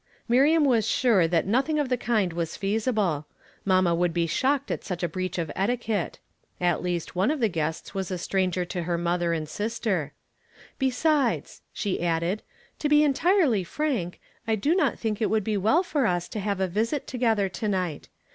Miriam was sure that nothing of the kind was feasible. Mamma would be shocked at such a breach of eti(iuette. At least one of the guests was a stranger to her mother and sister. "• IJe sides," she added, "to be entirely frank, I do not think it would be well for us to have a visit to gether to night.